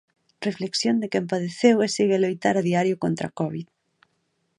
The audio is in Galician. Reflexión de quen padeceu e segue a loitar a diario contra covid.